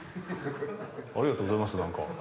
ありがとうございます何か。